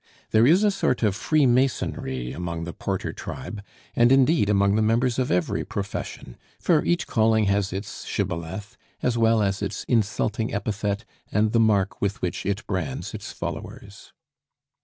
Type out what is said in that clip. There is a sort of freemasonry among the porter tribe, and, indeed, among the members of every profession; for each calling has its shibboleth, as well as its insulting epithet and the mark with which it brands its followers.